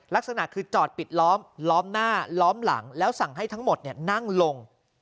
ลักษณะคือจอดปิดล้อมล้อมหน้าล้อมหลังแล้วสั่งให้ทั้งหมดนั่งลง